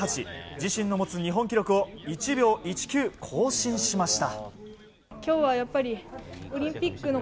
自身の持つ日本記録を１秒１９更新しました。